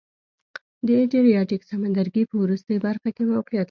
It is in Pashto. د ادریاتیک سمندرګي په وروستۍ برخه کې موقعیت لري.